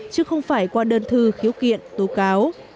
chứ không phải qua đơn thư khiếu kiện tố cáo